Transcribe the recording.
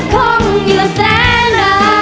รักของเราจะคงอยู่แสนนาน